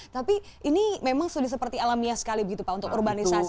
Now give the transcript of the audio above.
tapi ini memang sudah seperti alamiah sekali begitu pak untuk urbanisasi